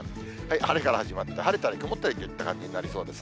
晴れから始まって、晴れたり曇ったりといった感じになりそうですね。